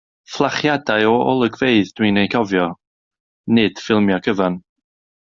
Fflachiadau o olygfeydd dwi'n eu cofio, nid ffilmiau cyfan.